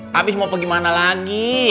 habis mau pergi mana lagi